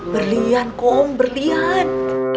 berlian kum berlian